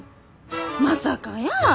まさかやー。